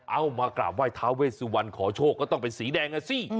เอามากราบไห้ท้าเวสุวรรณขอโชคก็ต้องเป็นสีแดงอ่ะสิ